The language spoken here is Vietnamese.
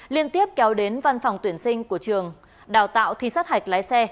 liên tiếp kéo đến văn phòng tuyển sinh của trường đào tạo thi sát hạch lái xe